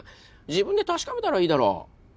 自分で確かめたらいいだろう。